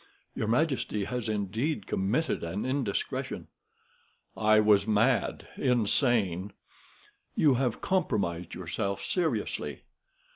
Your majesty has indeed committed an indiscretion." "I was mad—insane." "You have compromised yourself seriously."